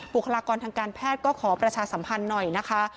บุคลากรทางการแพทย์ก็ขอประชาสัมพันธ์หน่อยนะคะ